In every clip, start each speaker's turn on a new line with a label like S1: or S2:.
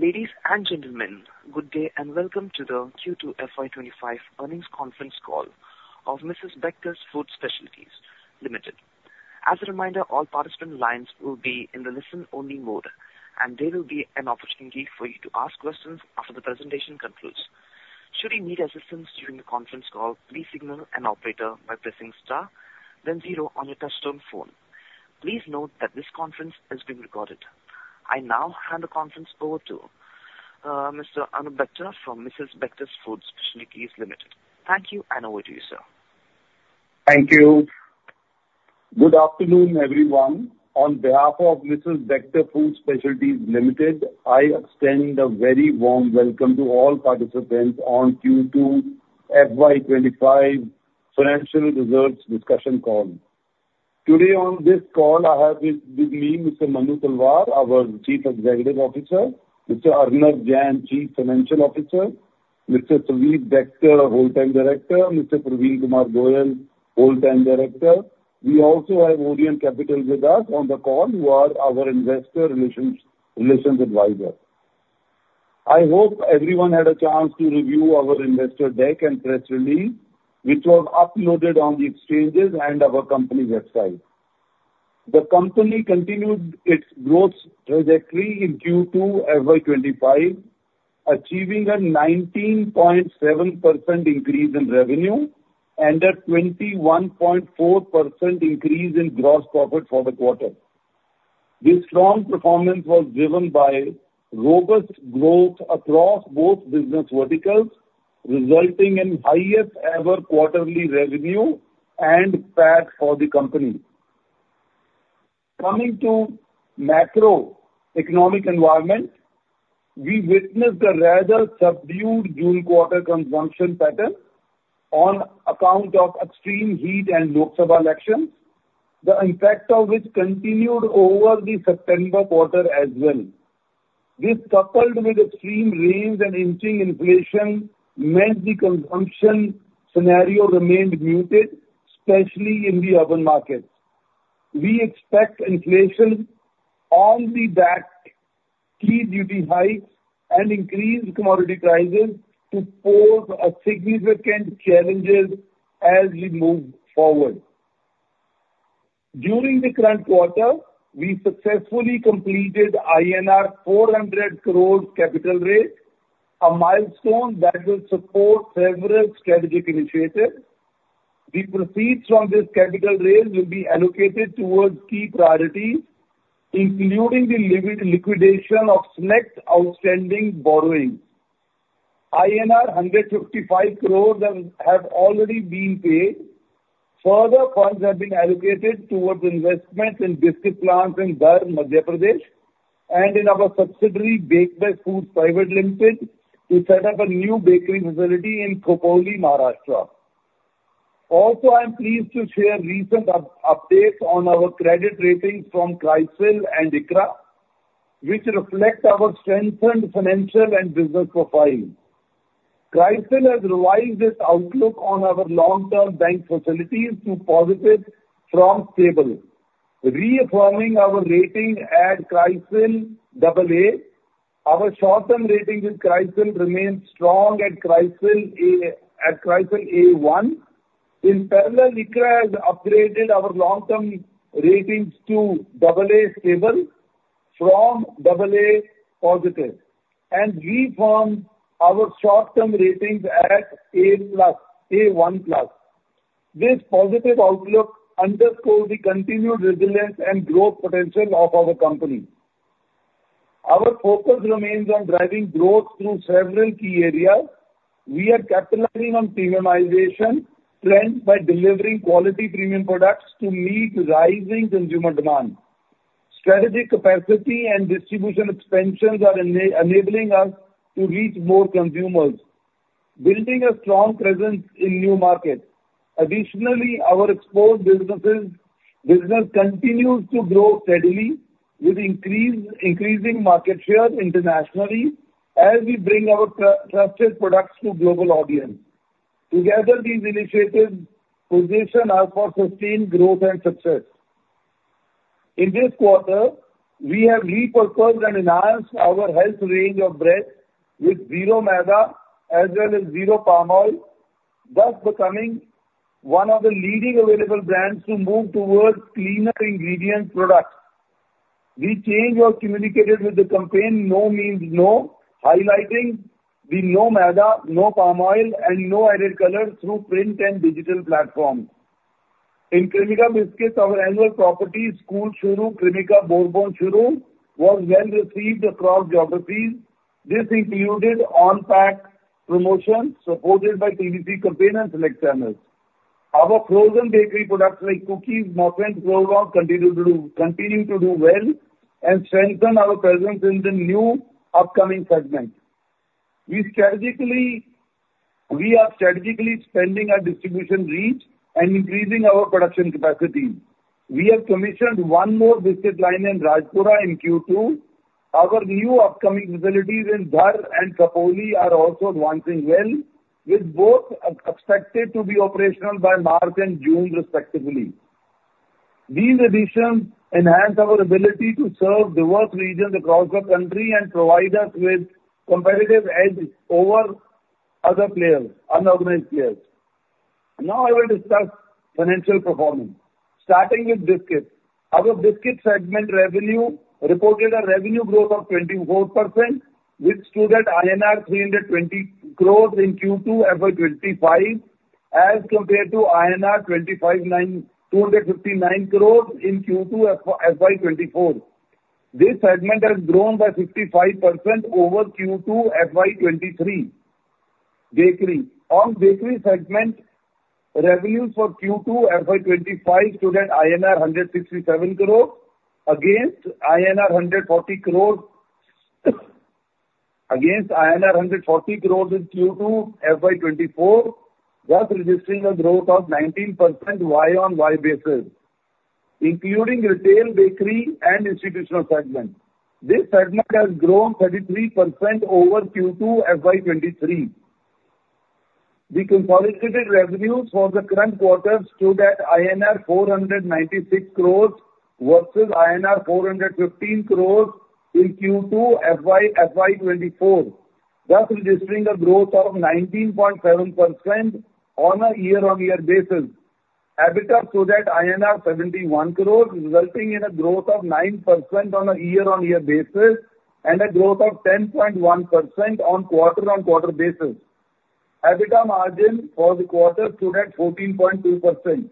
S1: Ladies and gentlemen, good day and Welcome to the Q2 FY25 Earnings Conference Call of Mrs. Bectors Food Specialities Limited. As a reminder, all participant lines will be in the listen-only mode, and there will be an opportunity for you to ask questions after the presentation concludes. Should you need assistance during the conference call, please signal an operator by pressing star, then zero on your touch-tone phone. Please note that this conference is being recorded. I now hand the conference over to Mr. Anoop Bector from Mrs. Bectors Food Specialities Limited. Thank you and over to you, sir.
S2: Thank you. Good afternoon, everyone. On behalf of Mrs. Bectors Food Specialities Limited, I extend a very warm welcome to all participants on Q2 FY25 financial results discussion call. Today on this call I have with me Mr. Manu Talwar, our Chief Executive Officer, Mr. Arnav Jain, Chief Financial Officer, Mr. Suvir Bector, Whole Time Director, Mr. Praveen Kumar Goel, Whole Time Director. We also have Indian Capital with us on the call, who are our investor relations advisor. I hope everyone had a chance to review our investor deck and press release, which was uploaded on the exchanges and our company website. The company continued its growth directly in Q2 FY25, achieving a 19.7% increase in revenue and a 21.4% increase in gross profit for the quarter. This strong performance was driven by robust growth across both business verticals, resulting in highest-ever quarterly revenue and PAT for the company. Coming to macroeconomic environment, we witnessed a rather subdued June quarter consumption pattern on account of extreme heat and Lok Sabha elections, the impact of which continued over the September quarter as well. This coupled with extreme rains and inching inflation meant the consumption scenario remained muted, especially in the urban markets. We expect inflation on the back, key duty hikes and increased commodity prices to pose significant challenges as we move forward. During the current quarter, we successfully completed INR 400 crores capital raise, a milestone that will support federal strategic initiatives. The proceeds on this capital raise will be allocated towards key priorities, including the limit liquidation of next outstanding borrowings. INR 155 crore have already been paid. Further funds have been allocated towards investments in biscuit plants in Dhar, Madhya Pradesh, and in our subsidiary, Baked Best Foods Pvt. Ltd. To set up a new bakery facility in Khopoli, Maharashtra. Also, I'm pleased to share recent updates on our credit ratings from CRISIL and ICRA, which reflect our strengthened financial and business profile. CRISIL has revised its outlook on our long-term bank facilities to positive from stable, reaffirming our rating at CRISIL AA. Our short-term rating with CRISIL remains strong at CRISIL A1. In parallel, ICRA has upgraded our long-term ratings to AA stable from AA positive, and we formed our short-term ratings at A1 plus. This positive outlook underscores the continued resilience and growth potential of our company. Our focus remains on driving growth through several key areas. We are capitalizing on premiumization trend by delivering quality premium products to meet rising consumer demand. Strategic capacity and distribution expansions are enabling us to reach more consumers, building a strong presence in new markets. Additionally, our export business continues to grow steadily, with increasing market share internationally as we bring our trusted products to global audiences. Together, these initiatives position us for sustained growth and success. In this quarter, we have repurposed and enhanced our health range of breads with Zero Maida as well as Zero Palm Oil, thus becoming one of the leading available brands to move towards cleaner ingredient products. We changed our communication with the campaign "No Means No," highlighting the no maida, no palm oil, and no added color through print and digital platforms. In Cremica Biscuits, our annual property school, Shuru Cremica Bourbon Shuru, was well received across geographies. This included on-pack promotions supported by TVC campaign and select channels. Our frozen bakery products, like cookies, muffins, and Swiss rolls continue to do well and strengthen our presence in the new upcoming segment. We are strategically extending our distribution reach and increasing our production capacity. We have commissioned one more biscuit line in Rajpura in Q2. Our new upcoming facilities in Dhar and Khopoli are also advancing well, with both expected to be operational by March and June, respectively. These additions enhance our ability to serve diverse regions across the country and provide us with competitive edge over other players unorganized players. Now, I will discuss financial performance, starting with biscuits. Our biscuit segment revenue reported a revenue growth of 24%, which stood at INR 320 crore in Q2 FY25 as compared to INR 259 crores in Q2 FY24. This segment has grown by 55% over Q2 FY23. On bakery segment, revenues for Q2 FY25 stood at INR 167 crores against INR 140 crores in Q2 FY24, thus registering a growth of 19% YoY basis, including retail, bakery, and institutional segments. This segment has grown 33% over Q2 FY23. The consolidated revenues for the current quarter stood at INR 496 crores versus INR 415 crores in Q2 FY24, thus registering a growth of 19.7% on a year-on-year basis. EBITDA stood at INR 71 crore, resulting in a growth of 9% on a year-on-year basis and a growth of 10.1% on quarter-on-quarter basis. EBITDA margin for the quarter stood at 14.2%.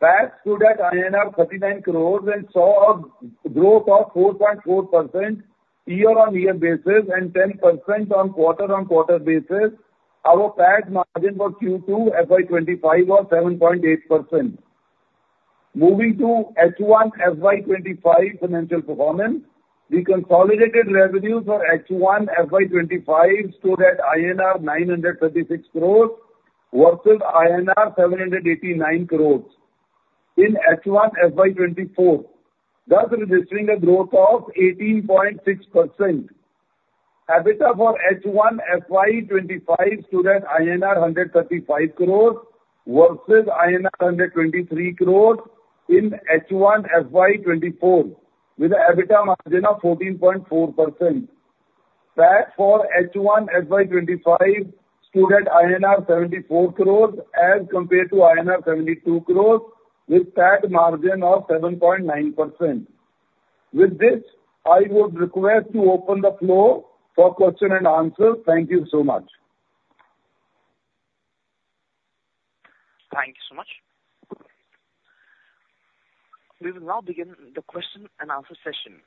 S2: PAC stood at INR 39 crores and saw a growth of 4.4% year-on-year basis and 10% on quarter-on-quarter basis. Our PAC margin for Q2 FY25 was 7.8%. Moving to H1 FY25 financial performance, the consolidated revenues for H1 FY25 stood at INR 936 crores versus INR 789 crores in H1 FY24, thus registering a growth of 18.6%. EBITDA for H1 FY25 stood at INR 135 crores versus INR 123 crores in H1 FY24, with an EBITDA margin of 14.4%. PAT for H1 FY25 stood at INR 74 crores as compared to INR 72 crores, with PAT margin of 7.9%. With this, I would request to open the floor for questions and answers. Thank you so much.
S1: Thank you so much. We will now begin the question-and-answer session.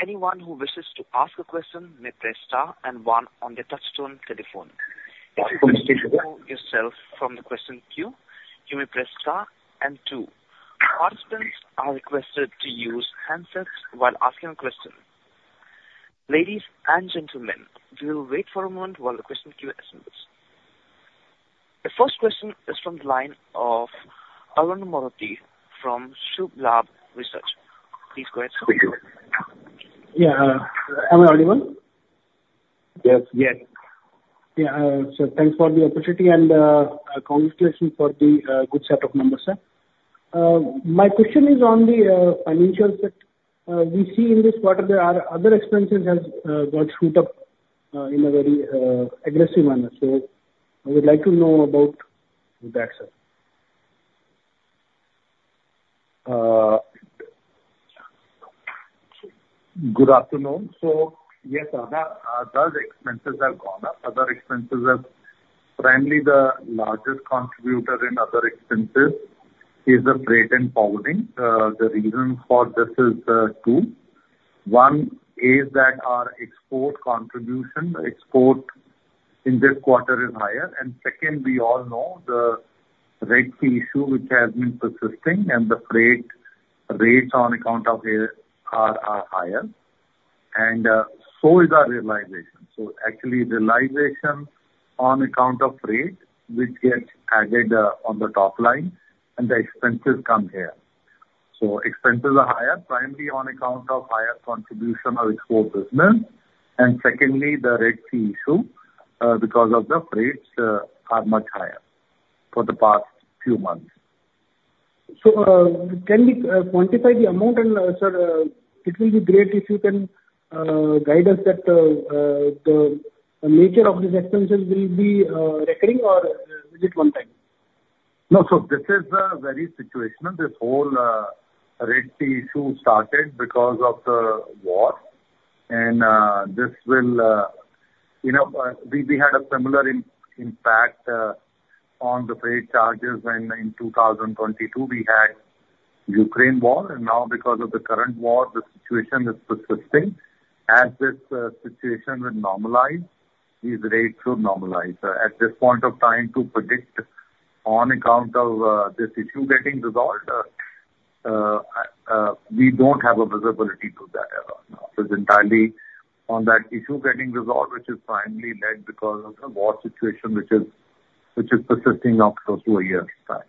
S1: Anyone who wishes to ask a question may press star and one on the touch-tone telephone. If you want to remove yourself from the question queue, you may press star and two. Participants are requested to use handsets while asking a question. Ladies and gentlemen, we will wait for a moment while the question queue assembles. The first question is from the line of Arun Maroti from Subh Labh Research. Please go ahead.
S3: Yeah. Hello, everyone.
S2: Yes.
S4: Yes.
S3: Yeah. So thanks for the opportunity and congratulations for the good set of numbers, sir. My question is on the financials. We see in this quarter there are other expenses that got screwed up in a very aggressive manner. So I would like to know about that, sir.
S2: Good afternoon. So yes, other expenses have gone up. Other expenses have primarily the largest contributor in other expenses is the freight and forwarding. The reason for this is two. One is that our export contribution, export in this quarter, is higher. And second, we all know the REG fee issue, which has been persisting, and the freight rates on account of the REG fee are higher. And so is our realization. So actually, realization on account of freight, which gets added on the top line, and the expenses come here. So expenses are higher, primarily on account of higher contribution of export business. And secondly, the REG fee issue because of the freights are much higher for the past few months.
S3: So can we quantify the amount? And, sir, it will be great if you can guide us that the nature of these expenses will be recurring or is it one-time?
S2: No, sir, this is very situational. This whole REG fee issue started because of the war, and this will we had a similar impact on the freight charges when in 2022 we had Ukraine war, and now, because of the current war, the situation is persisting. As this situation would normalize, these rates would normalize. At this point of time, to predict on account of this issue getting resolved, we don't have a visibility to that as of now. It's entirely on that issue getting resolved, which is finally led because of the war situation, which is persisting up close to a year's time.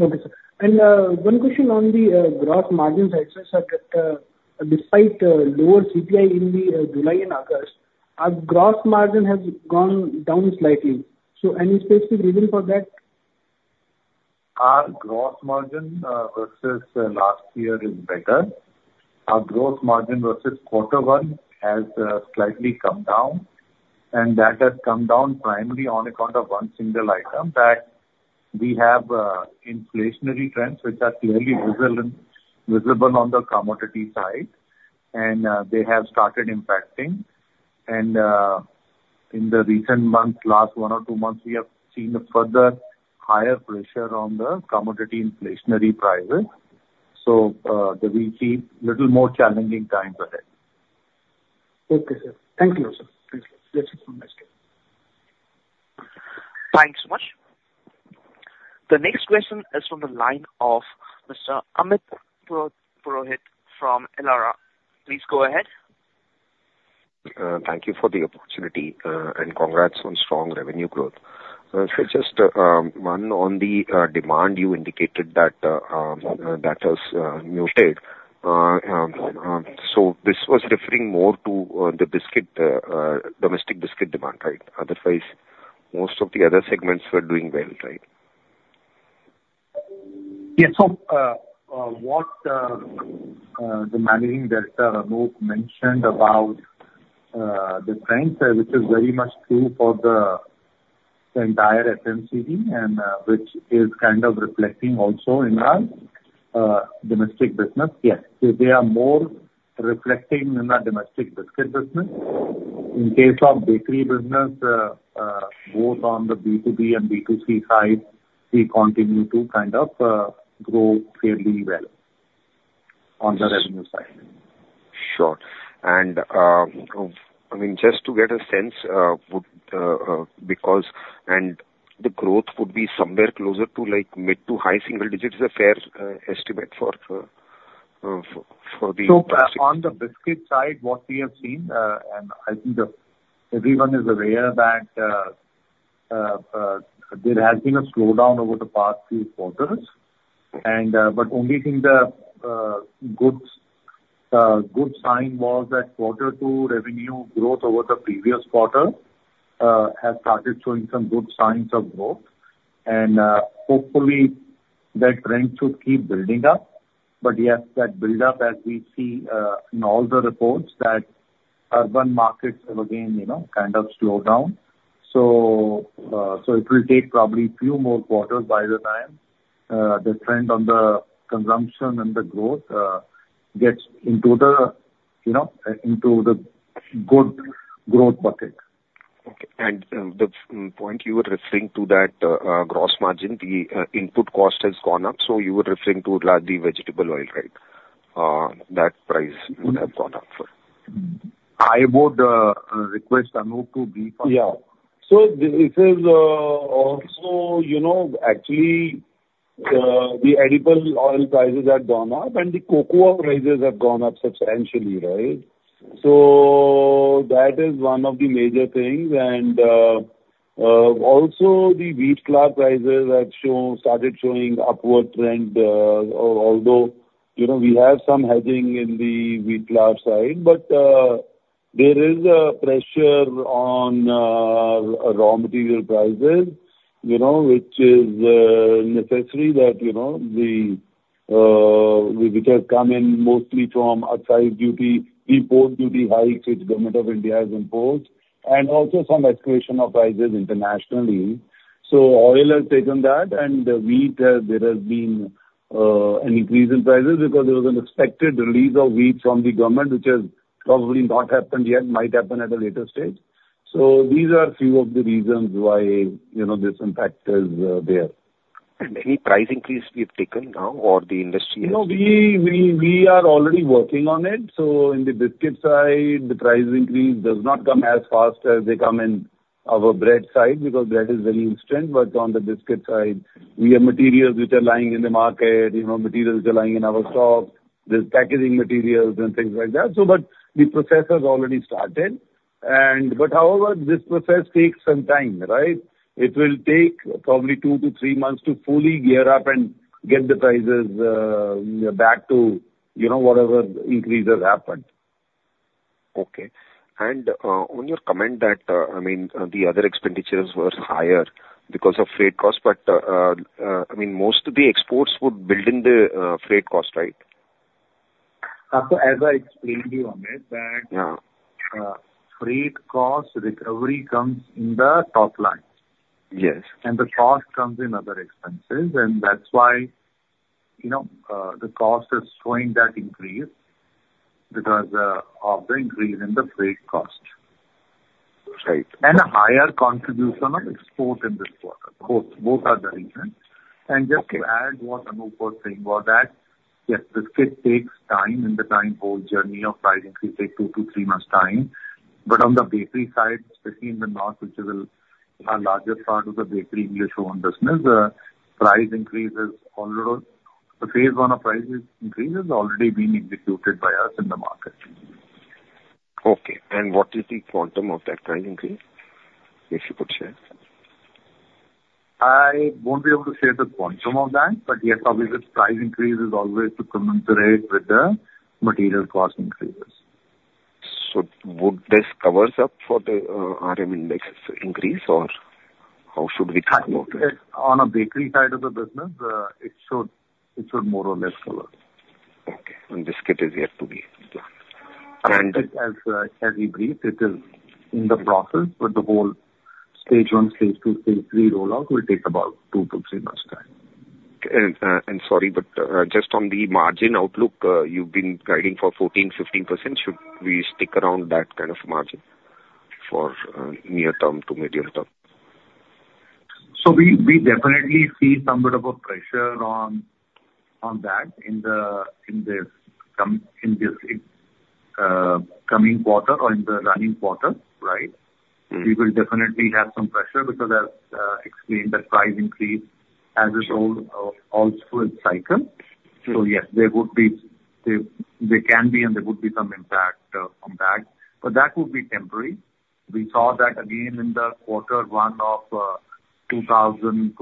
S3: Okay, sir, and one question on the gross margins, sir. Despite lower CPI in July and August, our gross margin has gone down slightly, so any specific reason for that?
S2: Our gross margin versus last year is better. Our gross margin versus Q1 has slightly come down. And that has come down primarily on account of one single item that we have inflationary trends, which are clearly visible on the commodity side. And they have started impacting. And in the recent months, last one or two months, we have seen a further higher pressure on the commodity inflationary prices. So we see a little more challenging times ahead.
S3: Okay, sir. Thank you, sir. Thank you.
S1: Thanks so much. The next question is from the line of Mr. Amit Purohit from Elara. Please go ahead.
S5: Thank you for the opportunity and congrats on strong revenue growth. So just one on the demand, you indicated that that has mutated. So this was referring more to the domestic biscuit demand, right? Otherwise, most of the other segments were doing well, right?
S4: Yeah, so what the Managing Director, Anoop mentioned about the trend there is very much true for the entire FMCG, and which is kind of reflecting also in our domestic business. Yes. They are more reflecting in our domestic biscuit business. In case of bakery business, both on the B2B and B2C side, we continue to kind of grow fairly well on the revenue side.
S5: Sure. And I mean, just to get a sense, because and the growth would be somewhere closer to mid-to high-single-digit is a fair estimate for the biscuit.
S4: So on the biscuit side, what we have seen, and I think everyone is aware that there has been a slowdown over the past few quarters. But I only think the good sign was that quarter two revenue growth over the previous quarter has started showing some good signs of growth. And hopefully, that trend should keep building up. But yes, that buildup, as we see in all the reports, that urban markets have again kind of slowed down. So it will take probably a few more quarters by the time the trend on the consumption and the growth gets into the good growth bucket.
S5: Okay. And the point you were referring to that gross margin, the input cost has gone up. So you were referring to the vegetable oil, right? That price would have gone up.
S4: I would request Anoop to be first.
S2: Yeah. So it is also actually the edible oil prices have gone up, and the cocoa prices have gone up substantially, right? So that is one of the major things. And also, the wheat flour prices have started showing upward trend, although we have some hedging in the wheat flour side. But there is a pressure on raw material prices, which is necessary that which has come in mostly from outside duty, import duty hikes which Government of India has imposed, and also some escalation of prices internationally. So oil has taken that, and wheat, there has been an increase in prices because there was an expected release of wheat from the government, which has probably not happened yet, might happen at a later stage. So these are a few of the reasons why this impact is there.
S5: Any price increase we've taken now, or the industry has?
S2: No, we are already working on it. So in the biscuit side, the price increase does not come as fast as they come in our bread side because bread is very instant. But on the biscuit side, we have materials which are lying in the market, materials which are lying in our stock, there's packaging materials and things like that. But the process has already started. But however, this process takes some time, right? It will take probably two to three months' to fully gear up and get the prices back to whatever increases happened.
S5: Okay. And on your comment that, I mean, the other expenditures were higher because of freight cost, but I mean, most of the exports would build in the freight cost, right?
S4: So as I explained to you, Amit, that freight cost recovery comes in the top line. And the cost comes in other expenses. And that's why the cost is showing that increase because of the increase in the freight cost. And a higher contribution of export in this quarter. Both are the reasons. And just to add what Anoop was saying was that, yes, biscuit takes time in the entire journey of price increase, take two to three months' time. But on the bakery side, especially in the north, which is a larger part of the bakery English Oven business, the price increases. Already the phase one of price increase has already been executed by us in the market.
S5: Okay. And what is the quantum of that price increase? If you could share.
S4: I won't be able to share the quantum of that, but yes, obviously, price increase is always to commensurate with the material cost increases.
S5: So would this cover up for the RM index increase, or how should we talk about it?
S4: On a bakery side of the business, it should more or less cover.
S5: Okay, and biscuit is yet to be done.
S4: As we speak, it is in the process, but the whole stage one, stage two, stage three rollout will take about two to three months' time.
S5: Sorry, but just on the margin outlook, you've been guiding for 14%-15%. Should we stick around that kind of margin for near-term to medium-term?
S4: So we definitely see somewhat of a pressure on that in this coming quarter or in the running quarter, right? We will definitely have some pressure because, as explained, that price increase has its own old fluid cycle. So yes, there would be there can be and there would be some impact on that. But that would be temporary. We saw that again in the quarter one of 2022,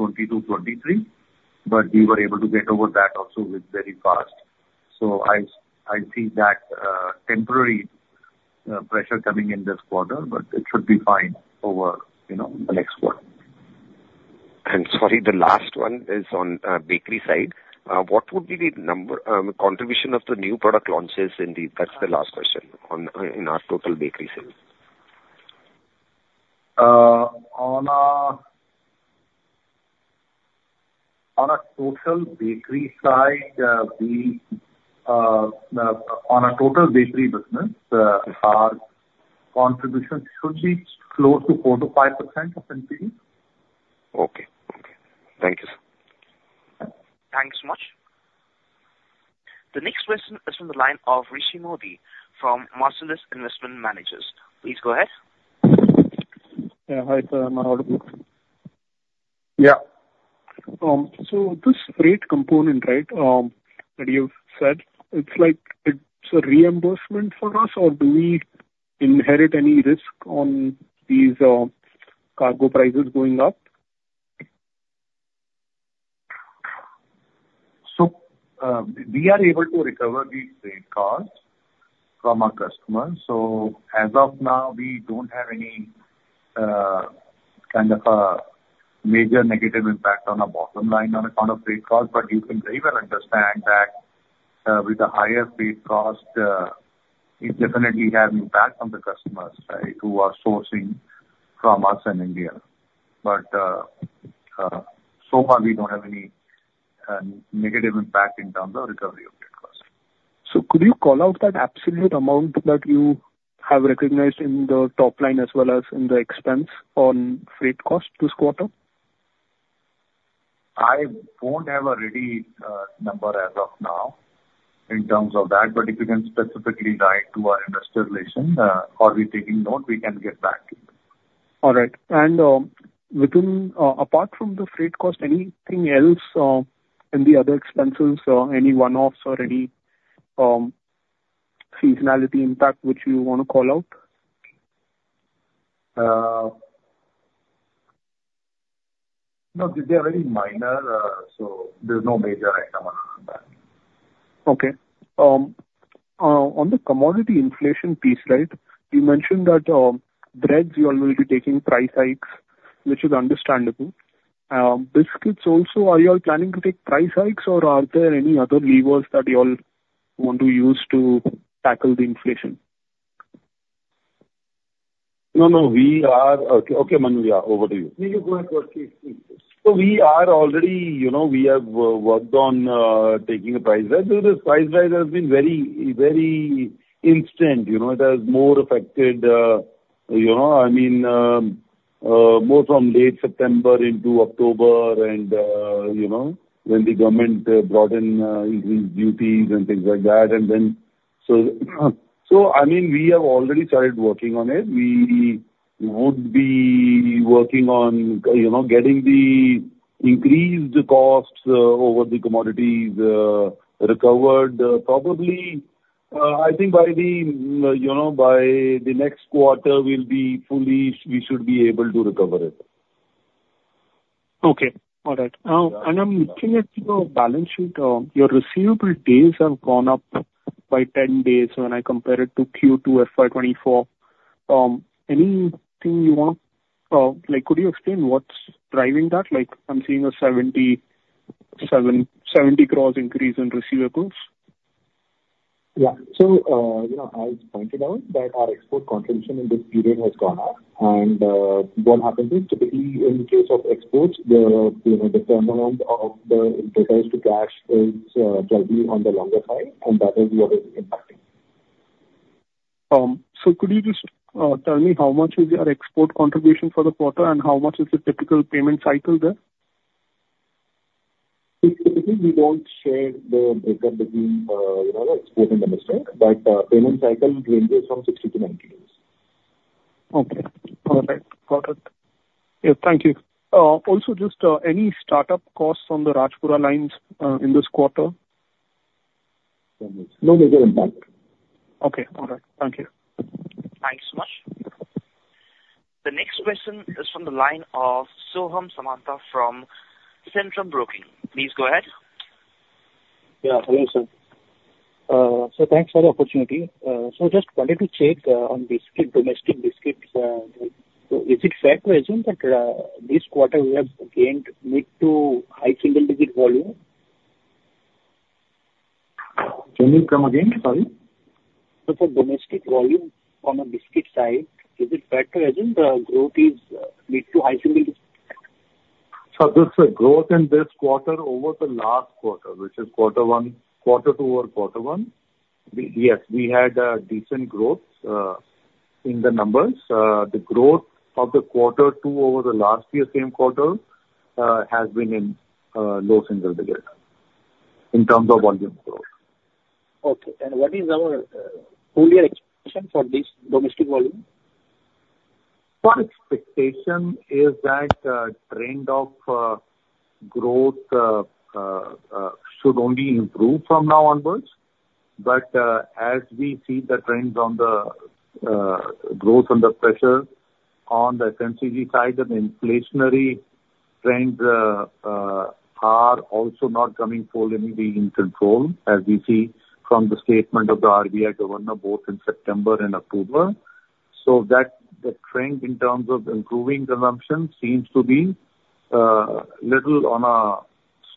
S4: 2023, but we were able to get over that also very fast. So I see that temporary pressure coming in this quarter, but it should be fine over the next quarter.
S5: Sorry, the last one is on bakery side. What would be the contribution of the new product launches in the? That's the last question in our total bakery sales.
S4: On a total bakery side, on a total bakery business, our contribution should be close to 4%-5% of NPV.
S5: Okay. Okay. Thank you, sir.
S4: Thanks much.
S1: The next question is from the line of Rishi Mody from Marcellus Investment Managers. Please go ahead.
S6: Hi, sir. Am I audible?
S2: Yeah.
S6: So this freight component, right, that you've said, it's a reimbursement for us, or do we inherit any risk on these cargo prices going up?
S2: So we are able to recover these freight costs from our customers. So as of now, we don't have any kind of a major negative impact on our bottom line on account of freight cost. But you can very well understand that with the higher freight cost, it definitely has impact on the customers, right, who are sourcing from us in India. But so far, we don't have any negative impact in terms of recovery of freight costs.
S6: Could you call out that absolute amount that you have recognized in the top line as well as in the expense on freight cost this quarter?
S2: I won't have a ready number as of now in terms of that. But if you can specifically write to our investor relations, or we're taking note, we can get back to you.
S6: All right. And apart from the freight cost, anything else in the other expenses, any one-offs or any seasonality impact which you want to call out?
S2: No, they're very minor. So there's no major item on that.
S6: Okay. On the commodity inflation piece, right, you mentioned that breads, you're going to be taking price hikes, which is understandable. Biscuits also, are you all planning to take price hikes, or are there any other levers that you all want to use to tackle the inflation?
S2: No, no. We are okay. Okay, Manu, over to you.
S4: So we have already worked on taking a price rise. This price rise has been very in sync. It has more affected, I mean, more from late September into October and when the government brought in increased duties and things like that. And then, I mean, we have already started working on it. We would be working on getting the increased costs over the commodities recovered probably, I think, by the next quarter. We will be fully able to recover it.
S6: Okay. All right. And I'm looking at your balance sheet. Your receivable days have gone up by 10 days when I compare it to Q2 FY24. Anything you want to, could you explain what's driving that? I'm seeing a 70% gross increase in receivables.
S4: Yeah. So as pointed out, that our export contribution in this period has gone up. And what happens is, typically, in the case of exports, the turnaround of the inventory to cash is slightly on the longer side, and that is what is impacting.
S6: So could you just tell me how much is your export contribution for the quarter and how much is the typical payment cycle there?
S4: Typically, we don't share the breakdown between the export and the domestic, but payment cycle ranges from 60-90 days.
S6: Okay. All right. Got it. Yeah. Thank you. Also, just any startup costs on the Rajpura lines in this quarter?
S4: No major impact.
S6: Okay. All right. Thank you.
S1: Thanks so much. The next question is from the line of Soham Samanta from Centrum Broking. Please go ahead.
S7: Yeah. Hello, sir. So thanks for the opportunity. So just wanted to check on domestic biscuits. Is it fair to assume that this quarter we have gained mid to high single digit volume?
S2: Can you come again? Sorry.
S7: So for domestic volume on a biscuit side, is it fair to assume the growth is mid to high single digit?
S2: So the growth in this quarter over the last quarter, which is Q1, Q2 or Q1. Yes, we had decent growth in the numbers. The growth of the Q2 over the last year, same quarter, has been in low single digit in terms of volume growth.
S7: Okay. And what is our earlier expectation for this domestic volume?
S2: Our expectation is that trend of growth should only improve from now onwards. But as we see the trends on the growth and the pressure on the FMCG side, the inflationary trends are also not coming fully in control, as we see from the statement of the RBI governor both in September and October. So the trend in terms of improving consumption seems to be a little on a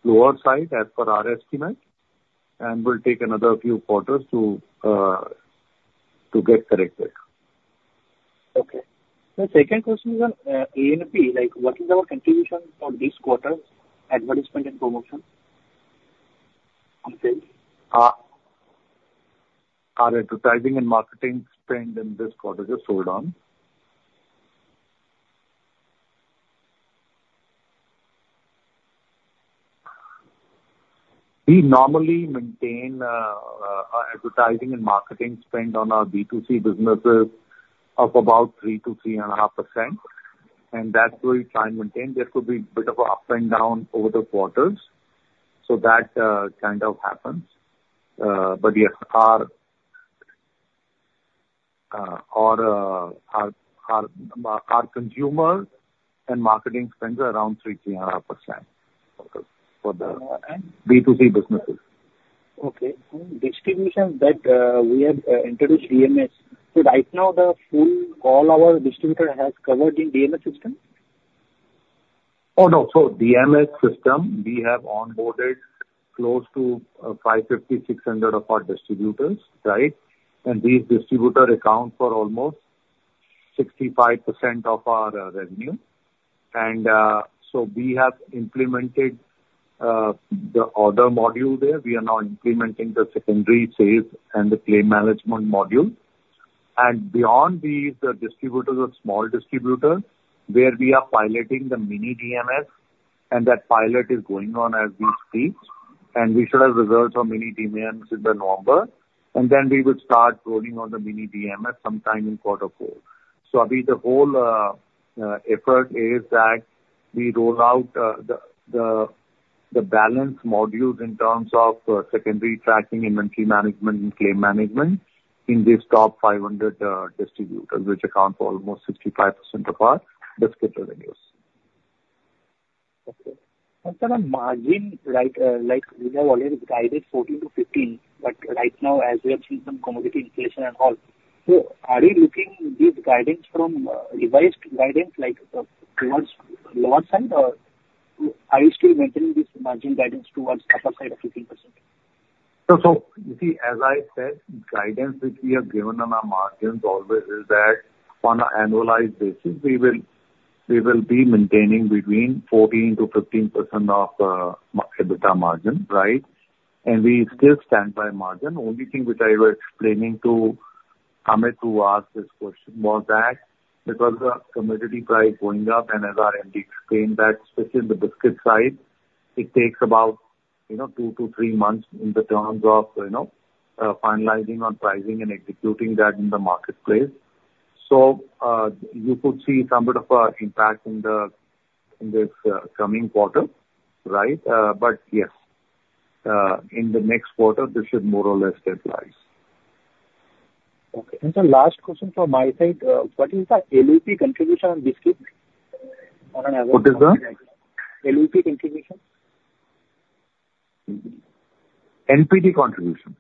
S2: slower side as per our estimate, and will take another few quarters to get corrected.
S7: Okay. The second question is on ANP. What is our contribution for this quarter's advertisement and promotion?
S2: Our advertising and marketing spend in this quarter just hold on. We normally maintain our advertising and marketing spend on our B2C businesses of about 3%-3.5%, and that's what we try and maintain. There could be a bit of up and down over the quarters. So that kind of happens. But yes, our consumer and marketing spend is around 3%-3.5% for the B2C businesses.
S7: Okay. Distribution that we have introduced DMS. So right now, all our distributors are covered in DMS system?
S2: Oh, no. So DMS system, we have onboarded close to 550-600 of our distributors, right? And these distributors account for almost 65% of our revenue. And so we have implemented the other module there. We are now implementing the secondary sales and the claim management module. And beyond these, the distributors are small distributors where we are piloting the mini DMS, and that pilot is going on as we speak. And we should have results on mini DMS in November. And then we would start rolling on the mini DMS sometime in quarter four. So I mean, the whole effort is that we roll out the balance modules in terms of secondary tracking, inventory management, and claim management in these top 500 distributors, which accounts for almost 65% of our biscuit revenues.
S7: Okay. And for the margin, right, we have already guided 14%-15%, but right now, as we have seen some commodity inflation and all, so are you looking at these guidance from revised guidance towards lower side, or are you still maintaining this margin guidance towards upper side of 15%?
S2: So you see, as I said, guidance which we have given on our margins always is that on an annualized basis, we will be maintaining between 14%-15% EBITDA margin, right? And we still stand by margin. The only thing which I was explaining to Amit who asked this question was that because the commodity price is going up, and as our MD explained that, especially on the biscuit side, it takes about two to three months in the terms of finalizing on pricing and executing that in the marketplace. So you could see some bit of an impact in this coming quarter, right? But yes, in the next quarter, this should more or less stabilize.
S7: Okay. And the last question from my side, what is the LUP contribution on biscuit?
S2: What is that?
S7: LUP contribution?
S2: NPD contribution.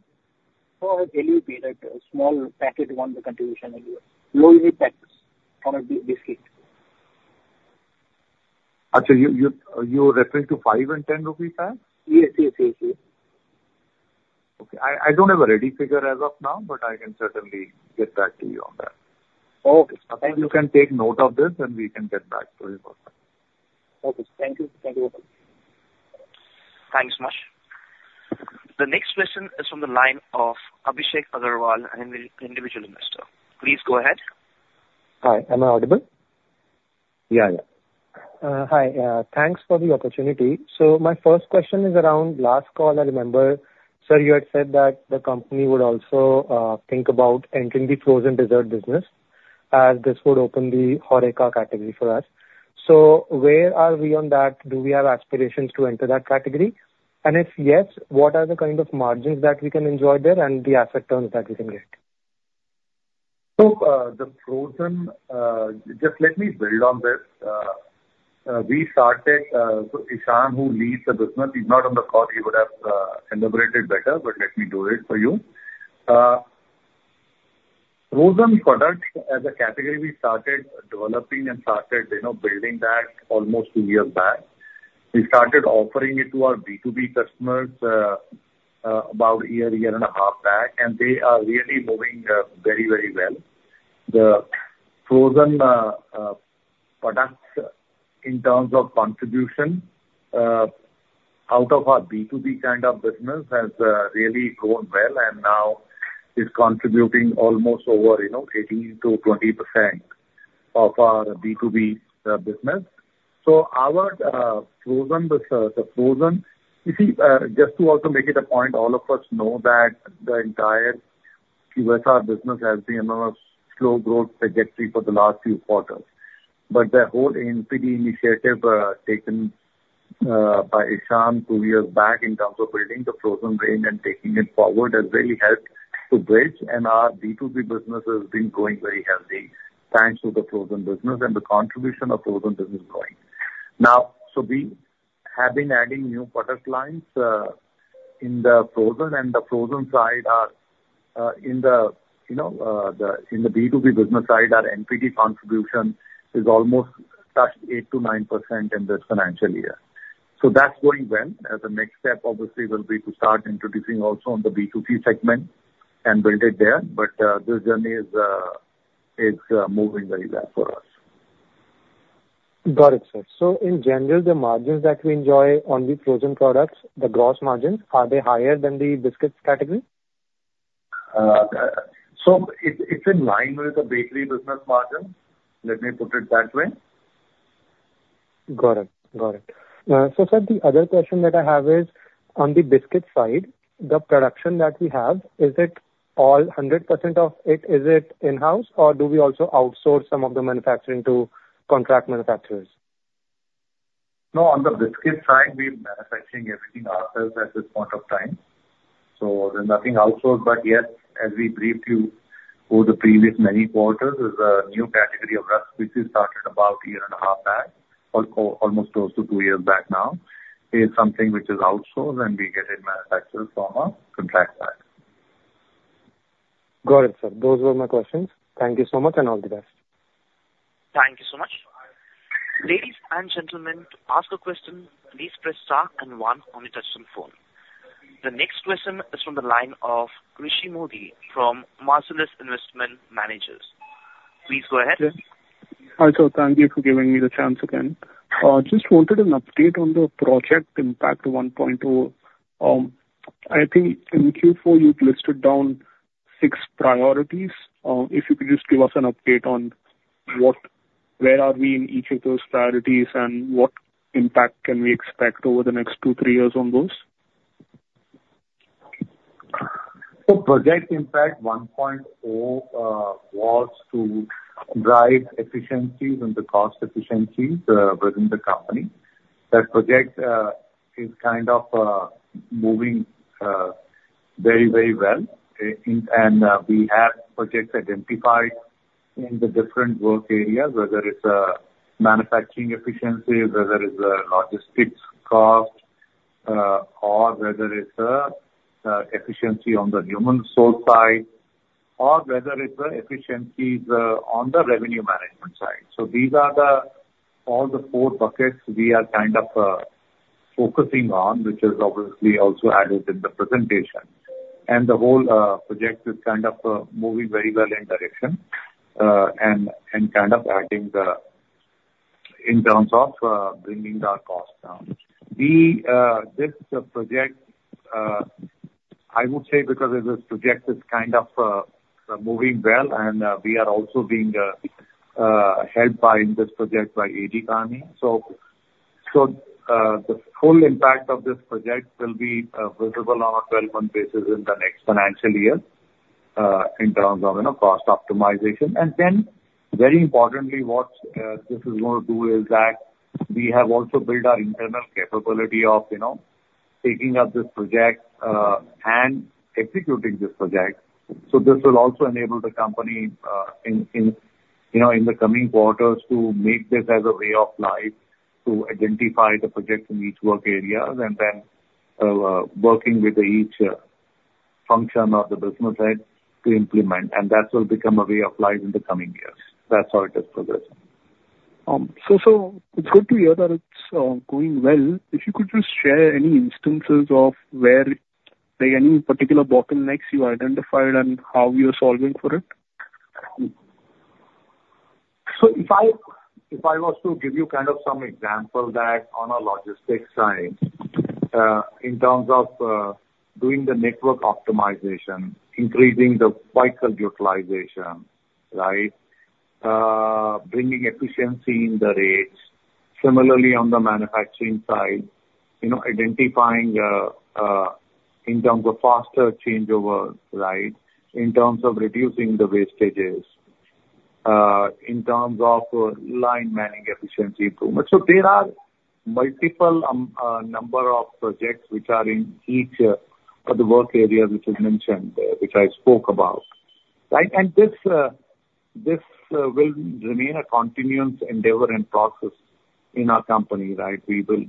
S7: Oh, LUP, that small packet own contribution? Low unit packets on a biscuit.
S2: So you're referring to 5 and 10 rupees?
S7: Yes, yes, yes, yes.
S2: Okay. I don't have a ready figure as of now, but I can certainly get back to you on that.
S7: Okay. Thank you.
S2: You can take note of this, and we can get back to you on that.
S7: Okay. Thank you. Thank you very much.
S1: Thanks so much. The next question is from the line of Abhishek Agarwal, an individual investor. Please go ahead.
S8: Hi. Am I audible?
S2: Yeah, yeah.
S8: Hi. Thanks for the opportunity. So my first question is around last call. I remember, sir, you had said that the company would also think about entering the frozen dessert business as this would open the Horeca category for us. So where are we on that? Do we have aspirations to enter that category? And if yes, what are the kind of margins that we can enjoy there and the asset terms that we can get?
S2: So, the frozen, just let me build on this. We started, so Ishan who leads the business, if not on the call, he would have elaborated better, but let me do it for you. Frozen products as a category, we started developing and started building that almost two years back. We started offering it to our B2B customers about a year, year and a half back, and they are really moving very, very well. The frozen products in terms of contribution out of our B2B kind of business has really grown well and now is contributing almost over 18%-20% of our B2B business. So our frozen, you see, just to also make it a point, all of us know that the entire QSR business has been on a slow growth trajectory for the last few quarters. But the whole NPD initiative taken by Ishan two years back in terms of building the frozen range and taking it forward has really helped to bridge, and our B2B business has been growing very healthy thanks to the frozen business and the contribution of frozen business growing. Now, so we have been adding new product lines in the frozen, and the frozen side are in the B2B business side, our NPD contribution is almost touched 8%-9% in this financial year. So that's going well. The next step, obviously, will be to start introducing also on the B2C segment and build it there. But the journey is moving very well for us.
S7: Got it, sir. So in general, the margins that we enjoy on the frozen products, the gross margins, are they higher than the biscuits category?
S2: So it's in line with the bakery business margins. Let me put it that way.
S7: Got it. Got it. So sir, the other question that I have is, on the biscuit side, the production that we have, is it all 100% of it, is it in-house, or do we also outsource some of the manufacturing to contract manufacturers?
S2: No, on the biscuit side, we are manufacturing everything ourselves at this point of time. So there's nothing outsourced. But yes, as we briefed you over the previous many quarters, the new category of rusks, which we started about a year and a half back or almost close to two years back now, is something which is outsourced, and we get it manufactured from a contract side.
S7: Got it, sir. Those were my questions. Thank you so much and all the best.
S1: Thank you so much. Ladies and gentlemen, to ask a question, please press star and one on the touchscreen phone. The next question is from the line of Krishi Modi from Marcellus Investment Managers. Please go ahead.
S6: Hi, sir. Thank you for giving me the chance again. I just wanted an update on the Project Impact 1.0. I think in Q4, you've listed down six priorities. If you could just give us an update on where are we in each of those priorities and what impact can we expect over the next two, three years on those?
S2: Project Impact 1.0 was to drive efficiencies and the cost efficiencies within the company. That project is kind of moving very, very well. We have projects identified in the different work areas, whether it's manufacturing efficiencies, whether it's logistics costs, or whether it's efficiency on the human resource side, or whether it's efficiencies on the revenue management side. These are all the four buckets we are kind of focusing on, which is obviously also added in the presentation. The whole project is kind of moving very well in direction and kind of adding in terms of bringing our cost down. This project, I would say, because this project is kind of moving well, and we are also being helped by this project by A.T. Kearney. So the full impact of this project will be visible on a 12-month basis in the next financial year in terms of cost optimization. And then, very importantly, what this is going to do is that we have also built our internal capability of taking up this project and executing this project. So this will also enable the company in the coming quarters to make this as a way of life to identify the projects in each work area and then working with each function of the business side to implement. And that will become a way of life in the coming years. That's how it is progressing.
S6: So it's good to hear that it's going well. If you could just share any instances of where any particular bottlenecks you identified and how you're solving for it?
S2: So if I was to give you kind of some example that on our logistics side in terms of doing the network optimization, increasing the vehicle utilization, right, bringing efficiency in the rates, similarly on the manufacturing side, identifying in terms of faster changeover, right, in terms of reducing the wastages, in terms of line manning efficiency improvement. So there are multiple number of projects which are in each of the work areas which I mentioned, which I spoke about. And this will remain a continuous endeavor and process in our company, right? We will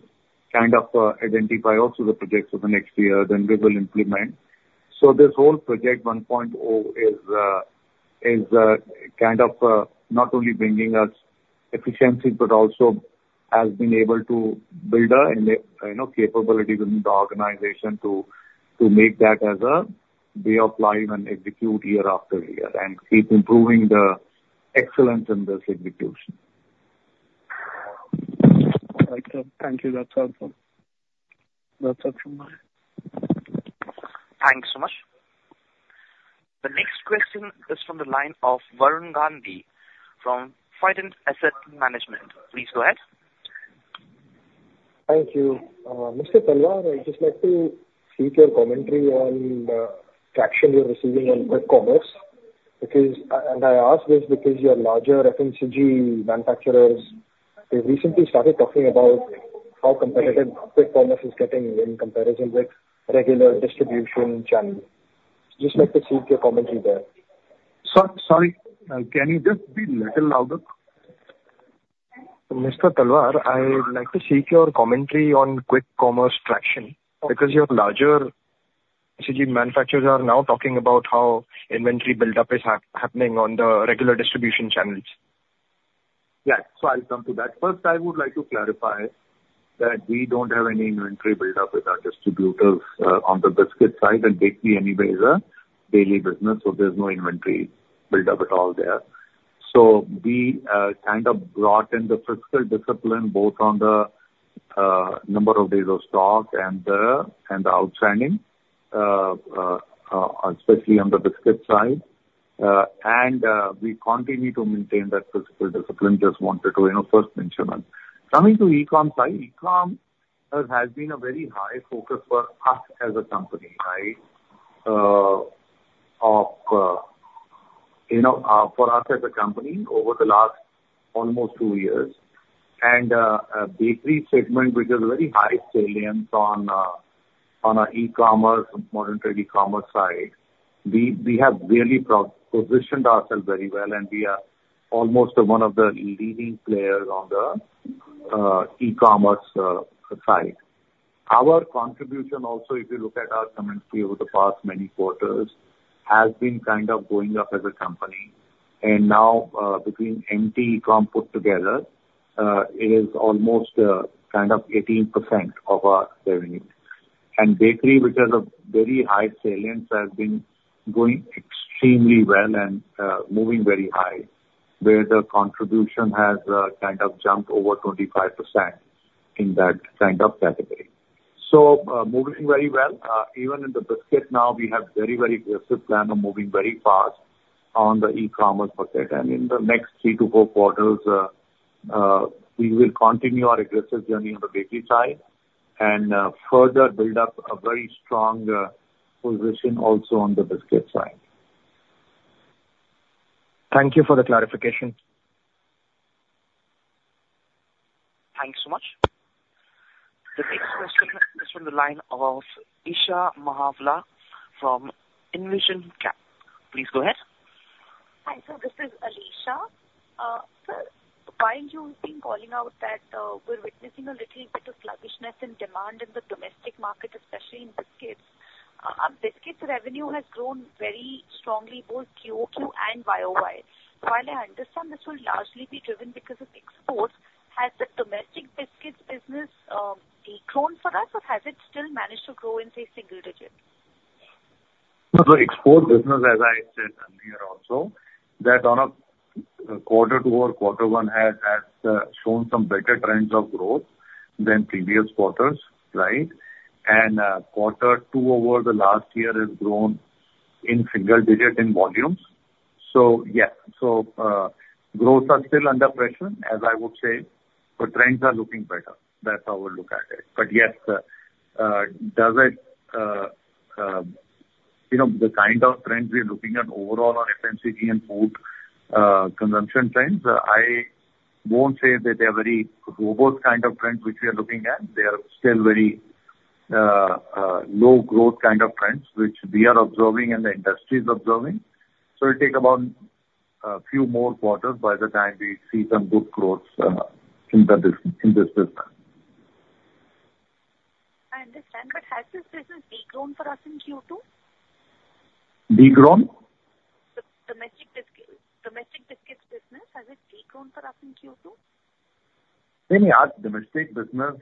S2: kind of identify also the projects for the next year, then we will implement. This whole Project 1.0 is kind of not only bringing us efficiency, but also has been able to build a capability within the organization to make that as a way of life and execute year after year and keep improving the excellence in this execution.
S6: All right, sir. Thank you. That's all from my side.
S1: Thank you so much. The next question is from the line of Varun Gandhi from Friday Asset Management. Please go ahead.
S9: Thank you. Mr. Bector, I'd just like to seek your commentary on the traction you're receiving on quick commerce. And I ask this because your larger FMCG manufacturers, they've recently started talking about how competitive quick commerce is getting in comparison with regular distribution channels. Just like to seek your commentary there.
S4: Sorry, can you just be a little louder?
S7: Mr. Bector, I'd like to seek your commentary on quick commerce traction because your larger FMCG manufacturers are now talking about how inventory buildup is happening on the regular distribution channels.
S4: Yeah. So I'll come to that. First, I would like to clarify that we don't have any inventory buildup with our distributors on the biscuit side, and bakery anyway is a daily business, so there's no inventory buildup at all there. So we kind of brought in the fiscal discipline both on the number of days of stock and the outstanding, especially on the biscuit side. And we continue to maintain that fiscal discipline, just wanted to first mention that. Coming to the e-com side, e-com has been a very high focus for us as a company, right, for us as a company over the last almost two years. And bakery segment, which is a very high salience on our e-commerce, modern trade e-commerce side, we have really positioned ourselves very well, and we are almost one of the leading players on the e-commerce side. Our contribution also, if you look at our commentary over the past many quarters, has been kind of going up as a company, and now, between MT, e-com put together, it is almost kind of 18% of our revenue, and bakery, which has a very high salience, has been going extremely well and moving very high, where the contribution has kind of jumped over 25% in that kind of category, so moving very well. Even in the biscuit now, we have a very, very aggressive plan of moving very fast on the e-commerce bucket, and in the next three to four quarters, we will continue our aggressive journey on the bakery side and further build up a very strong position also on the biscuit side.
S9: Thank you for the clarification.
S1: Thanks so much. The next question is from the line of Esha Mahajan from Envision Capital. Please go ahead.
S10: Hi, sir. This is Alisha. Sir, while you've been calling out that we're witnessing a little bit of sluggishness in demand in the domestic market, especially in biscuits, biscuits revenue has grown very strongly, both QoQ and YoY. While I understand this will largely be driven because of exports, has the domestic biscuits business declined for us, or has it still managed to grow in, say, single digit?
S2: The export business, as I said earlier also, that on a quarter two or quarter one has shown some better trends of growth than previous quarters, right? And quarter two over the last year has grown in single digit in volumes. So yes, so growth is still under pressure, as I would say, but trends are looking better. That's how we'll look at it. But yes, does it the kind of trends we're looking at overall on FMCG and food consumption trends? I won't say that they are very robust kind of trends which we are looking at. They are still very low growth kind of trends which we are observing and the industry is observing. So it'll take about a few more quarters by the time we see some good growth in this business.
S10: I understand, but has this business declined for us in Q2?
S2: Declined?
S10: The domestic biscuits business has it declined for us in Q2?
S2: Domestic business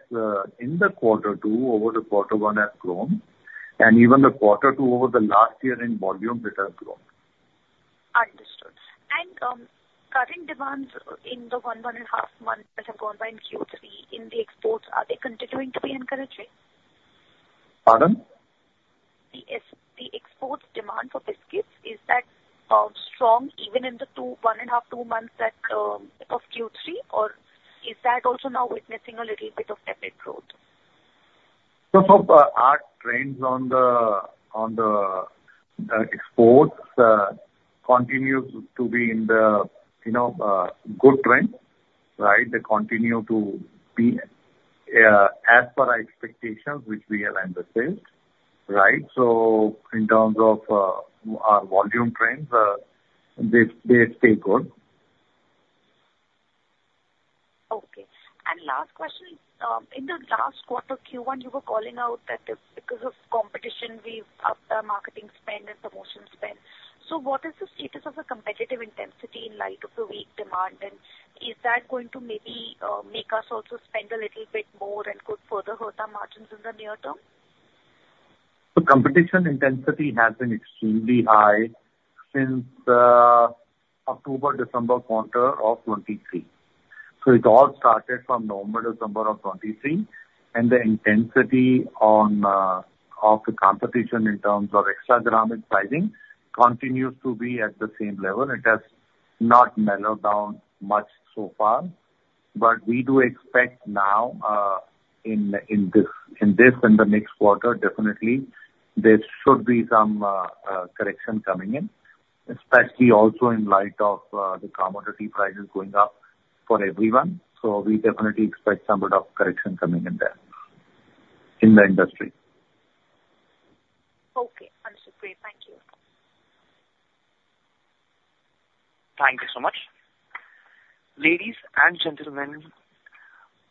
S2: in the quarter two over the quarter one has grown, and even the quarter two over the last year in volume, it has grown.
S10: Understood. And current demands in the one, one and a half months that have gone by in Q3, in the exports, are they continuing to be encouraging?
S2: Pardon?
S10: The export demand for biscuits, is that strong even in the one and a half, two months of Q3, or is that also now witnessing a little bit of rapid growth?
S2: Our trends on the exports continue to be in the good trend, right? They continue to be as per our expectations, which we have understood, right? In terms of our volume trends, they stay good.
S10: Okay. And last question. In the last quarter, Q1, you were calling out that because of competition, we upped our marketing spend and promotion spend. So what is the status of the competitive intensity in light of the weak demand? And is that going to maybe make us also spend a little bit more and could further hurt our margins in the near term?
S2: The competition intensity has been extremely high since the October-December quarter of 2023, so it all started from November-December of 2023, and the intensity of the competition in terms of Cremica pricing continues to be at the same level. It has not mellowed down much so far, but we do expect now in this and the next quarter, definitely, there should be some correction coming in, especially also in light of the commodity prices going up for everyone, so we definitely expect some bit of correction coming in there in the industry.
S10: Okay. Understood. Great. Thank you.
S1: Thank you so much. Ladies and gentlemen,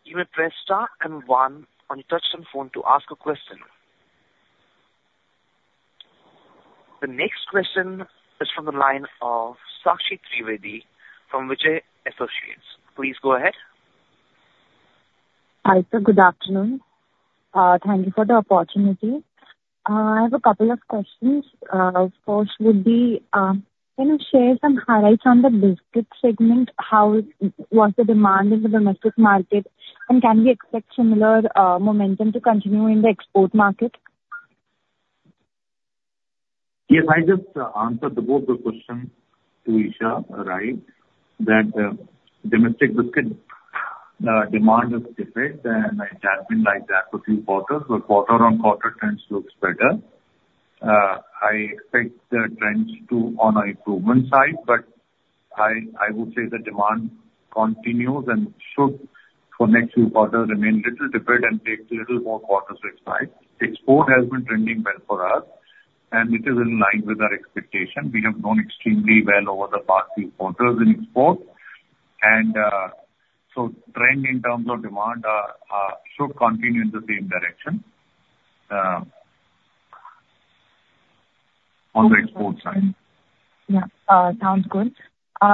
S1: you may press star and one on your touchscreen phone to ask a question. The next question is from the line of Sakshi Trivedi from Vijay Associates. Please go ahead.
S11: Hi, sir. Good afternoon. Thank you for the opportunity. I have a couple of questions. First would be can you share some highlights on the biscuit segment? How was the demand in the domestic market? And can we expect similar momentum to continue in the export market?
S2: Yes. I just answered both the questions to Esha, right, that domestic biscuit demand is different, and it has been like that for a few quarters, but quarter on quarter, trends look better. I expect the trends to be on our improvement side, but I would say the demand continues and should for the next few quarters remain a little different and take a little more quarters to expect. Export has been trending well for us, and it is in line with our expectation. We have grown extremely well over the past few quarters in export, and so trend in terms of demand should continue in the same direction on the export side.
S11: Yeah. Sounds good.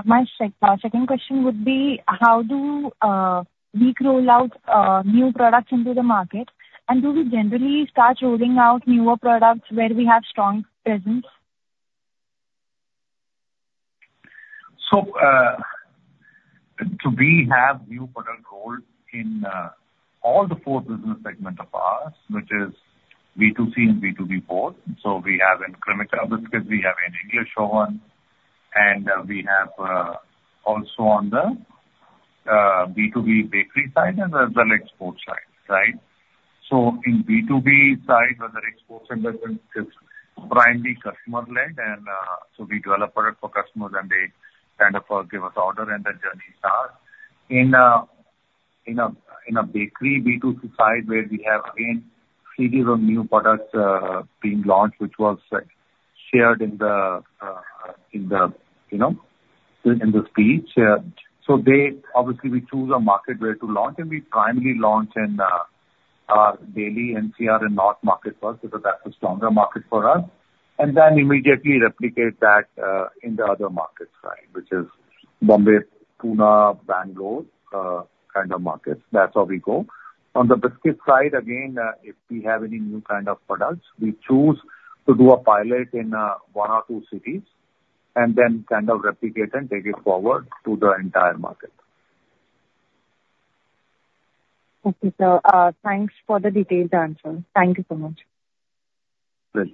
S11: My second question would be, how do we roll out new products into the market? And do we generally start rolling out newer products where we have strong presence?
S2: We have new products rolled out in all four business segments of ours, which is B2C and B2B part. We have in Cremica biscuits, we have in English Oven, and we have also on the B2B bakery side and the export side, right? In B2B side, where the export segment is primarily customer-led, and so we develop products for customers, and they kind of give us order, and the journey starts. In the bakery B2C side where we have again series of new products being launched, which was shared in the speech. We choose a market where to launch, and we primarily launch in our Delhi, MT and North Market first because that's a stronger market for us. Then immediately replicate that in the other markets, right, which is Mumbai, Pune, Bengaluru kind of markets. That's how we go. On the biscuit side, again, if we have any new kind of products, we choose to do a pilot in one or two cities and then kind of replicate and take it forward to the entire market.
S11: Okay, sir. Thanks for the detailed answer. Thank you so much.
S2: Pleasure.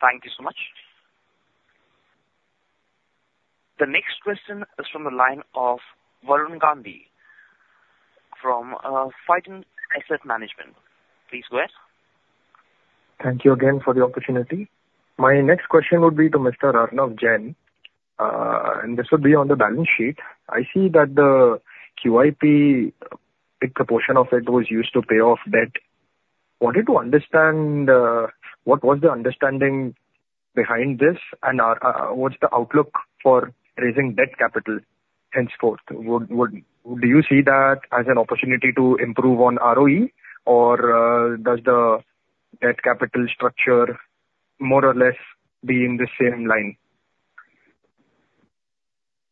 S1: Thank you so much. The next question is from the line of Varun Gandhi from Friday Asset Management. Please go ahead.
S9: Thank you again for the opportunity. My next question would be to Mr. Arnav Jain, and this would be on the balance sheet. I see that the QIP, a big proportion of it was used to pay off debt. Wanted to understand what was the understanding behind this and what's the outlook for raising debt capital, henceforth? Do you see that as an opportunity to improve on ROE, or does the debt capital structure more or less be in the same line?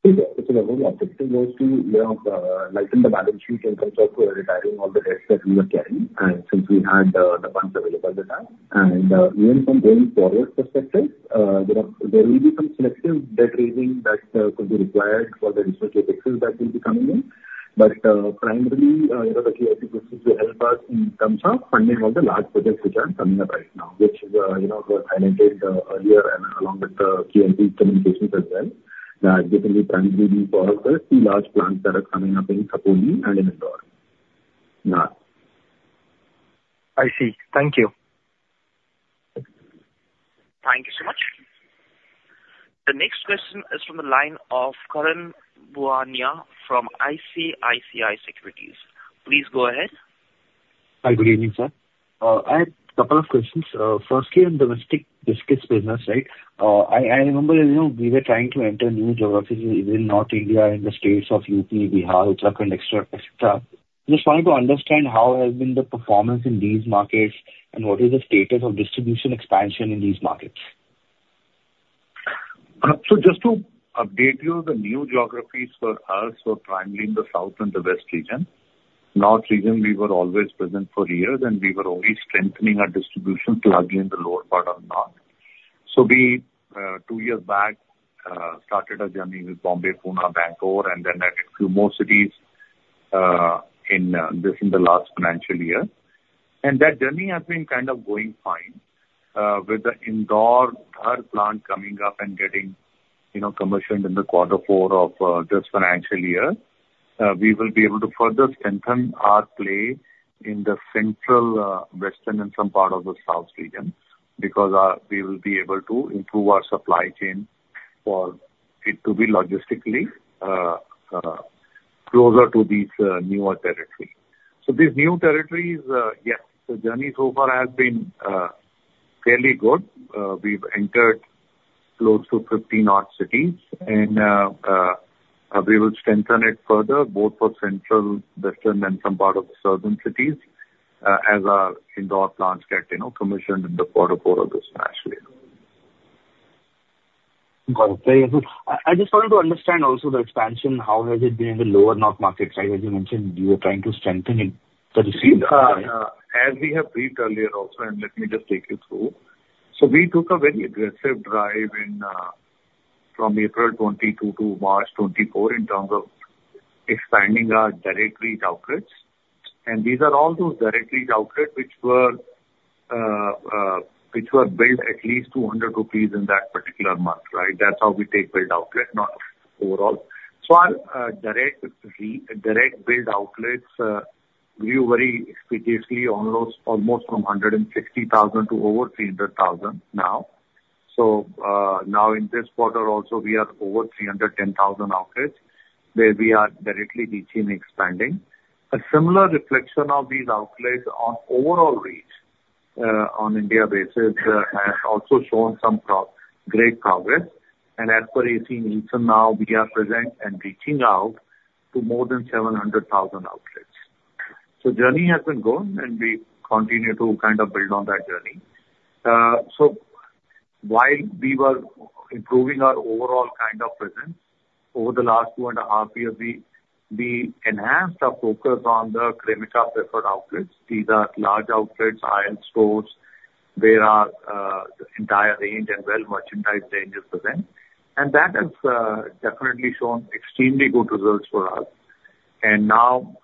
S12: It's a very good question. It goes to lighten the balance sheet in terms of retiring all the debts that we are carrying. Since we had the funds available at the time, even from going forward perspective, there will be some selective debt raising that could be required for the initial two facilities that will be coming in. Primarily, the QIP funds will help us in terms of funding all the large projects which are coming up right now, which were highlighted earlier along with the QIP communications as well. That will be primarily for the two large plants that are coming up in Khopoli and in Indore.
S9: I see. Thank you.
S1: Thank you so much. The next question is from the line of Karan Bhuwania from ICICI Securities. Please go ahead.
S13: Hi, good evening, sir. I had a couple of questions. Firstly, on domestic biscuits business, right? I remember we were trying to enter new geographies in North India and the states of UP, Bihar, Uttarakhand, etc. Just wanted to understand how has been the performance in these markets and what is the status of distribution expansion in these markets?
S2: So just to update you, the new geographies for us were primarily in the south and the west region. North region, we were always present for years, and we were always strengthening our distribution plug in the lower part of north. So we, two years back, started a journey with Mumbai, Pune, Bangalore, and then added a few more cities in this in the last financial year. And that journey has been kind of going fine. With the Indore plant coming up and getting commissioned in the quarter four of this financial year, we will be able to further strengthen our play in the central western and some part of the south region because we will be able to improve our supply chain for it to be logistically closer to these newer territories. So these new territories, yes, the journey so far has been fairly good. We've entered close to 15 odd cities, and we will strengthen it further, both for central, western, and some part of the southern cities as our Indore plants get commissioned in the quarter four of this financial year.
S13: I just wanted to understand also the expansion, how has it been in the lower north markets, right? As you mentioned, you were trying to strengthen it.
S2: Yes. As we have briefed earlier also, and let me just take you through, so we took a very aggressive drive from April 2022 to March 2024 in terms of expanding our direct reach outlets, and these are all those direct reach outlets which were built at least 200 rupees in that particular month, right? That's how we take build outlet, not overall, so our direct build outlets, we were very expeditiously almost from 160,000 to over 300,000 now, so now in this quarter also, we are over 310,000 outlets where we are directly reaching and expanding. A similar reflection of these outlets on overall reach on India basis has also shown some great progress, and as per AC Nielsen now, we are present and reaching out to more than 700,000 outlets, so journey has been going, and we continue to kind of build on that journey. So while we were improving our overall kind of presence over the last two and a half years, we enhanced our focus on the Cremica preferred outlets. These are large outlets, aisle stores, where our entire range and well-merchandised range is present. And that has definitely shown extremely good results for us. And now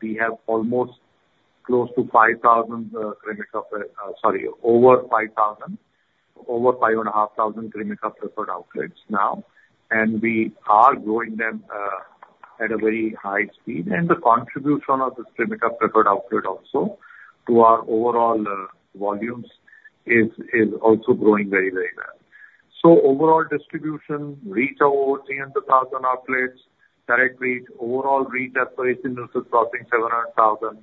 S2: we have almost close to 5,000 Cremica sorry, over 5,000, over 5,500 Cremica preferred outlets now. And we are growing them at a very high speed. And the contribution of this Cremica preferred outlet also to our overall volumes is also growing very, very well. So overall distribution, reach of over 300,000 outlets, direct reach, overall reach as per AC Nielsen is crossing 700,000.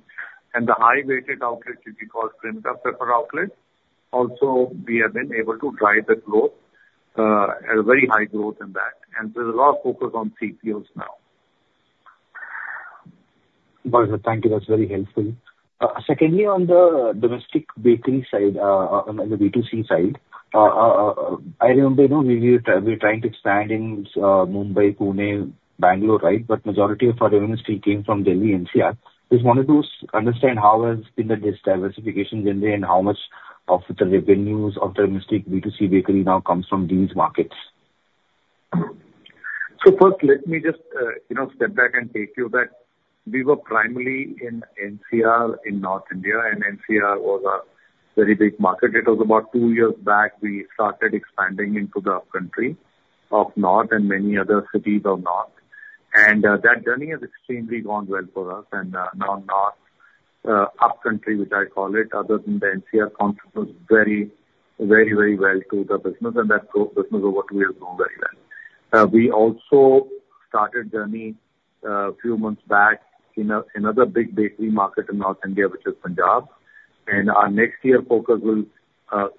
S2: And the high-weighted outlet, which we call Cremica preferred outlet, also we have been able to drive the growth, a very high growth in that. And there's a lot of focus on CPOs now.
S13: Thank you. That's very helpful. Secondly, on the domestic bakery side, on the B2C side, I remember we were trying to expand in Mumbai, Pune, Bangalore, right? But majority of our domestic came from Delhi, NCR. Just wanted to understand how has been the diversification generally and how much of the revenues of the domestic B2C bakery now comes from these markets?
S2: So first, let me just step back and take you back. We were primarily in NCR in North India, and NCR was a very big market. It was about two years back we started expanding into the upcountry of north and many other cities of north. And that journey has extremely gone well for us. And now north upcountry, which I call it, other than the NCR concept, was very, very, very well to the business. And that growth business over two years grew very well. We also started journey a few months back in another big bakery market in North India, which is Punjab. And our next year focus will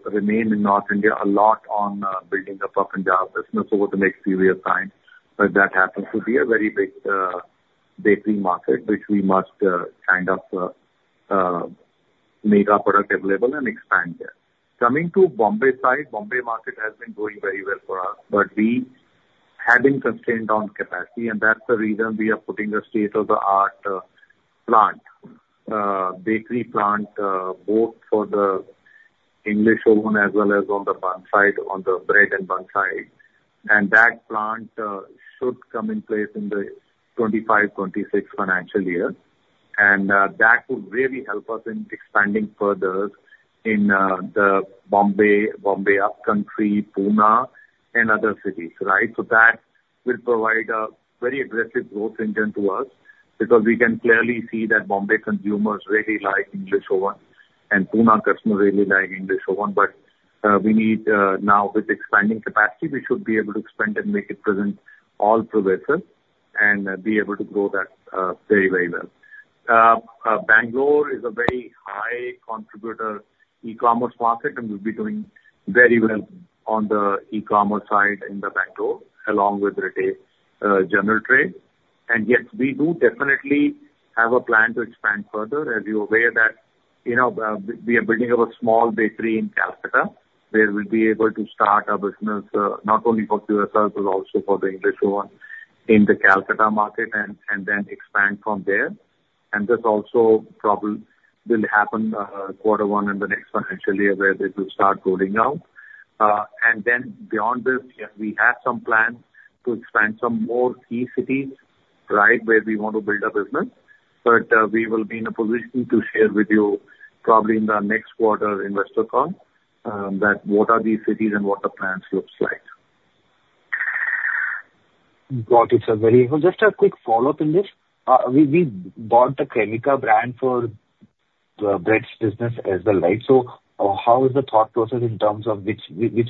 S2: remain in North India a lot on building up our Punjab business over the next few years' time. But that happens to be a very big bakery market, which we must kind of make our product available and expand there. Coming to Mumbai side, Mumbai market has been going very well for us, but we have been constrained on capacity. And that's the reason we are putting a state-of-the-art plant, bakery plant, both for the English Oven as well as on the buns side, on the bread and buns side. And that plant should come in place in the 2025, 2026 financial year. And that would really help us in expanding further in the Mumbai, Mumbai upcountry, Pune, and other cities, right? So that will provide a very aggressive growth engine to us because we can clearly see that Mumbai consumers really like English Oven and Pune customers really like English Oven. But we need now, with expanding capacity, we should be able to expand and make it presence all-pervasive and be able to grow that very, very well. Bengaluru is a very high contributor e-commerce market, and we'll be doing very well on the e-commerce side in the Bengaluru along with retail, General Trade. And yes, we do definitely have a plan to expand further. As you're aware that we are building up a small bakery in Kolkata where we'll be able to start our business not only for QSR, but also for the English Oven in the Kolkata market and then expand from there. And this also probably will happen quarter one in the next financial year where they will start rolling out. And then beyond this, we have some plans to expand some more key cities, right, where we want to build our business. But we will be in a position to share with you probably in the next quarter investor conference that what are these cities and what the plans look like.
S13: Got it, sir. Very helpful. Just a quick follow-up in this. We bought the Cremica brand for the breads business as well, right? So how is the thought process in terms of which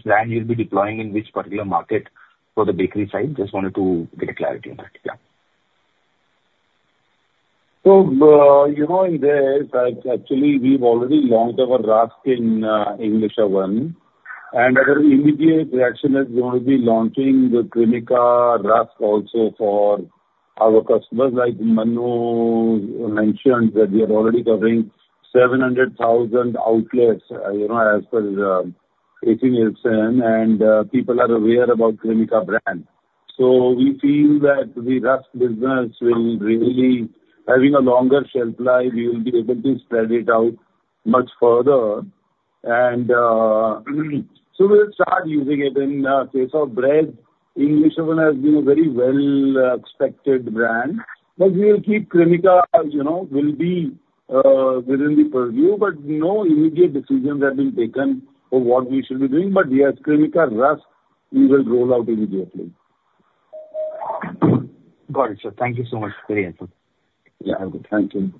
S13: brand you'll be deploying in which particular market for the bakery side? Just wanted to get a clarity on that. Yeah.
S2: So in this, actually, we've already launched our rusk in English Oven. And our immediate reaction is we want to be launching the Cremica rusk also for our customers. Like Manu mentioned, that we are already covering 700,000 outlets as per AC Nielsen, and people are aware about Cremica brand. So we feel that the rusk business will really have a longer shelf life. We will be able to spread it out much further. And so we'll start using it in the case of bread. English Oven has been a very well-expected brand, but we will keep Cremica will be within the purview. But no immediate decisions have been taken for what we should be doing. But yes, Cremica rusk, we will roll out immediately.
S13: Got it, sir. Thank you so much. Very helpful.
S2: Yeah. Thank you.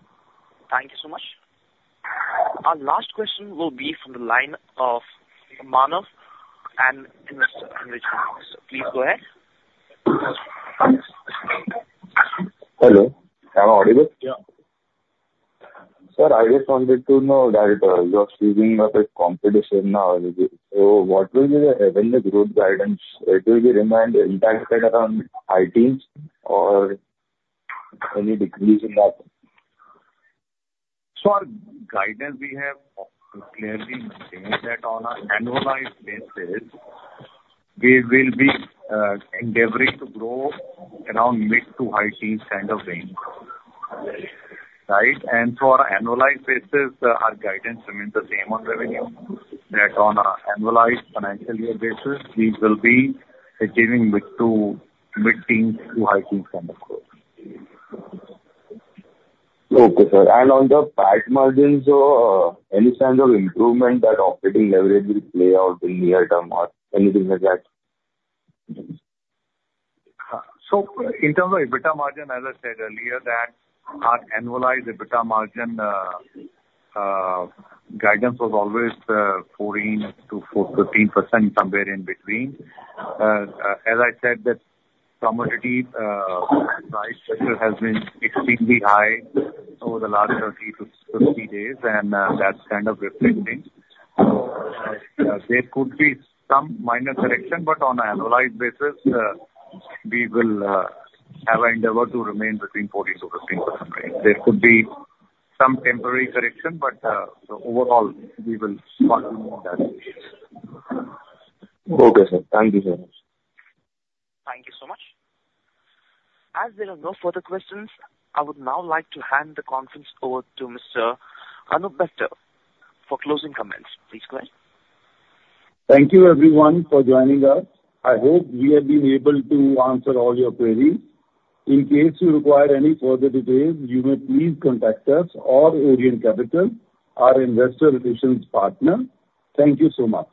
S1: Thank you so much. Our last question will be from the line of Manav and Mr. Rachel. So please go ahead.
S14: Hello. Am I audible?
S2: Yeah.
S14: Sir, I just wanted to know that you are facing competition now. So what will be the revenue growth guidance? It will remain intact around 15% or any decrease in that?
S2: Our guidance, we have clearly maintained that on an annualized basis. We will be endeavoring to grow around mid to high teens kind of range, right? And for annualized basis, our guidance remains the same on revenue. That on an annualized financial year basis, we will be achieving mid teens to high teens kind of growth.
S14: Okay, sir. And on the PAT margins, any kind of improvement that operating leverage will play out in near term or anything like that?
S2: In terms of EBITDA margin, as I said earlier, that our annualized EBITDA margin guidance was always 14%-15%, somewhere in between. As I said, that commodity price pressure has been extremely high over the last 30 to 50 days, and that's kind of reflecting. There could be some minor correction, but on an annualized basis, we will have an endeavor to remain between 14%-15% range. There could be some temporary correction, but overall, we will continue in that.
S14: Okay, sir. Thank you so much.
S1: Thank you so much. As there are no further questions, I would now like to hand the conference over to Mr. Anoop Bector for closing comments. Please go ahead.
S2: Thank you, everyone, for joining us. I hope we have been able to answer all your queries. In case you require any further details, you may please contact us or Orient Capital, our investor relations partner. Thank you so much.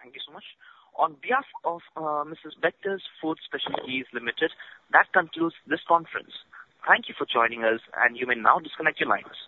S1: Thank you so much. On behalf of Mrs. Bectors Food Specialities Limited, that concludes this conference. Thank you for joining us, and you may now disconnect your lines.